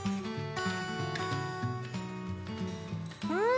うん！